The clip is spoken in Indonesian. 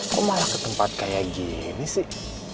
kok malah ke tempat kayak gini sih